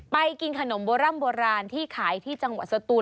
กินขนมโบร่ำโบราณที่ขายที่จังหวัดสตูน